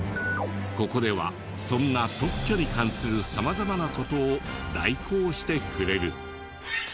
ここではそんな特許に関する様々な事を代行してくれる。